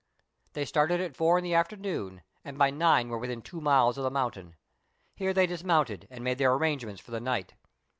They started at four in the afternoon, and by nine were within two miles of the mountain. Here they dismounted, and made their arrangements for the night.